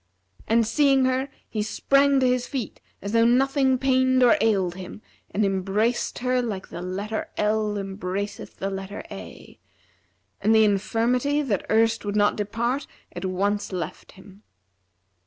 And seeing her he sprang to his feet as though nothing pained or ailed him and embraced her like the letter L embraceth the letter A;[FN#345] and the infirmity, that erst would not depart at once left him.